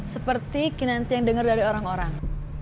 seperti kinanti yang dengar dari orang orang